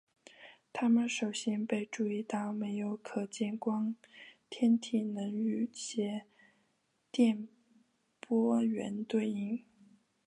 它们首先被注意到没有可见光天体能与些电波源对应。